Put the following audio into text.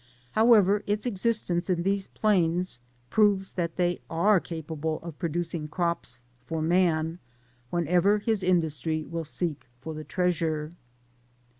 However, its existence in these plains proves that they are capable of pro . ducing crops for man, whenever his industry shall seek for the treasure.